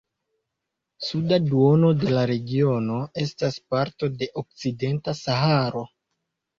Suda duono de la regiono estas parto de Okcidenta Saharo.